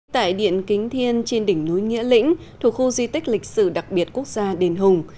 tại điện kính thiên trên đỉnh núi nghĩa lĩnh thuộc khu di tích lịch sử đặc biệt quốc gia đền hùng